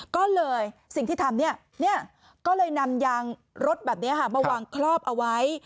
ก็เลยสิ่งที่ทำก็เลยนำยางรถแบบนี้มาวางครอบเอาไว้